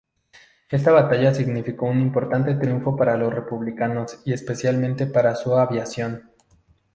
Esta batalla significó un importante triunfo para los republicanos y especialmente para su aviación.